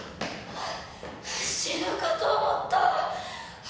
ああ死ぬかと思った。